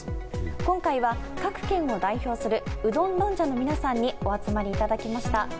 今回は各県を代表するうどん論者の皆さんにお集まりいただきました。